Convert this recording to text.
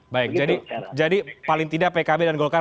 baik jadi paling tidak pkb dan golkar